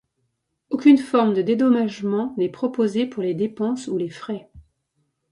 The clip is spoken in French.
Aucune forme de dédommagement n'est proposé pour les dépenses ou les frais.